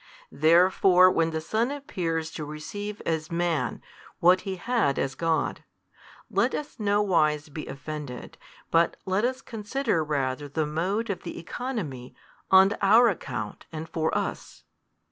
Therefore when the Son appears to receive as Man what He had as God, let us no wise be offended but let us consider rather the mode of the oeconomy on our account and for us.